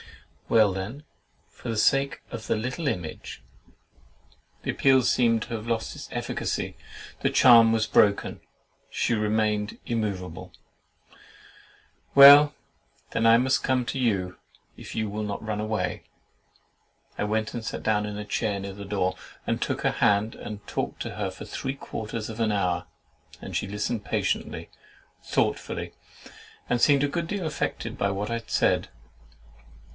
Well, then, for the sake of THE LITTLE IMAGE!" The appeal seemed to have lost its efficacy; the charm was broken; she remained immoveable. "Well, then I must come to you, if you will not run away." I went and sat down in a chair near the door, and took her hand, and talked to her for three quarters of an hour; and she listened patiently, thoughtfully, and seemed a good deal affected by what I said.